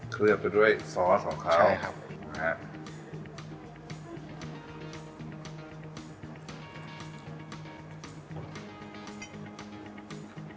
เคลือบไปด้วยซอสของข้าวใช่ครับใช่ครับ